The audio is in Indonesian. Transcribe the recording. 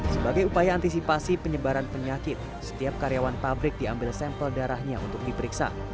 sebagai upaya antisipasi penyebaran penyakit setiap karyawan pabrik diambil sampel darahnya untuk diperiksa